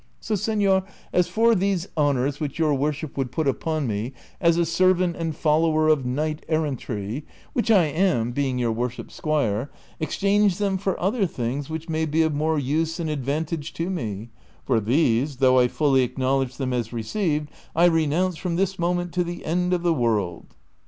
So, sefior, as for these honors which your worship would put upon me as a servant and follower of knight errantry (which I am, being your worship's squire), exchange them for other things which may be of more use and advantage to me ; for these, though I fully acknowledge them as received, I renounce from this moment to the end of the world."